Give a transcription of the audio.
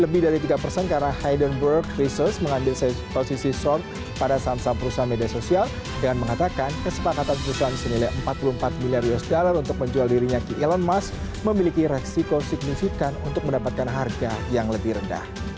bersambungkan dengan kondisi tersebut